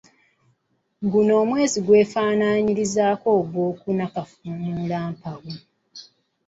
Guno omwezi gw'efaanaanyirizaako n'ogwokuna Kafuumuulampawu.